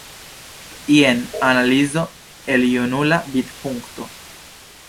Jen analizo el junula vidpunkto.